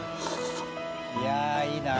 いやあいいな！